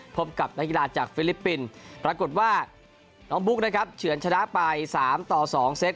พบกับนักกีฬาจากฟิลิปปินส์ปรากฏว่าน้องบุ๊กนะครับเฉือนชนะไป๓ต่อ๒เซต